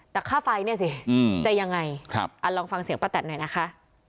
แต่ค่าไฟเนี่ยสิจะยังไงลองฟังเสียงป้าแตนหน่อยนะคะ